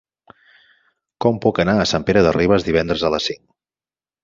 Com puc anar a Sant Pere de Ribes divendres a les cinc?